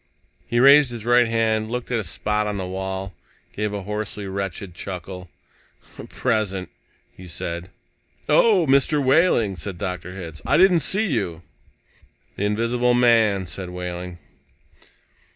He raised his right hand, looked at a spot on the wall, gave a hoarsely wretched chuckle. "Present," he said. "Oh, Mr. Wehling," said Dr. Hitz, "I didn't see you." "The invisible man," said Wehling.